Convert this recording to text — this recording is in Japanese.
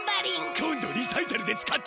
今度リサイタルで使ってみよう！